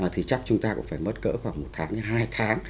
thì chắc chúng ta cũng phải mất cỡ khoảng một tháng hay hai tháng